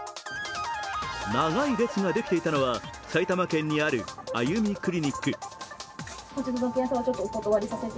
長い列ができていたのは埼玉県にあるあゆみクリニック。